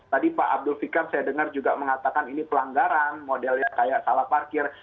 tadi pak abdul fikar saya dengar juga mengatakan ini pelanggaran modelnya kayak salah parkir